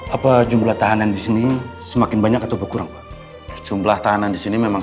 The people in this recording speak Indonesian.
apa jumlah tahanan di sini semakin banyak atau berkurang jumlah tahanan di sini memang